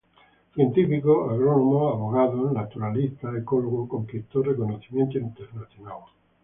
Científico, agrónomo, abogado, naturalista, ecólogo, conquistó reconocimiento internacional.